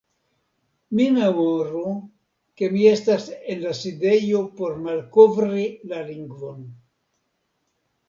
Mi memoru, ke mi estas en la sidejo por malkovri la lingvon.